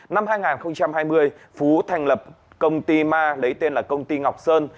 năm hai nghìn hai mươi phú thành lập công ty ma lấy tên là công ty ngọc sơn